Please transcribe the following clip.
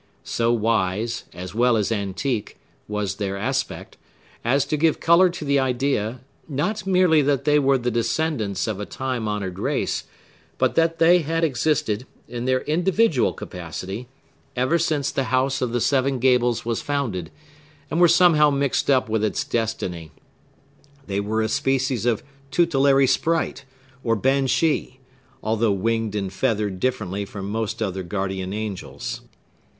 So wise, as well as antique, was their aspect, as to give color to the idea, not merely that they were the descendants of a time honored race, but that they had existed, in their individual capacity, ever since the House of the Seven Gables was founded, and were somehow mixed up with its destiny. They were a species of tutelary sprite, or Banshee; although winged and feathered differently from most other guardian angels.